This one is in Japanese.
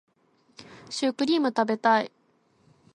シュークリーム食べたい